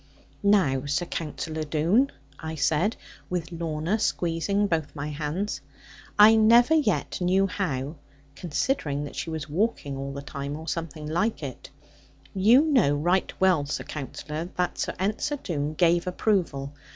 'Now, Sir Counsellor Doone,' I said, with Lorna squeezing both my hands, I never yet knew how (considering that she was walking all the time, or something like it); 'you know right well, Sir Counsellor, that Sir Ensor Doone gave approval.'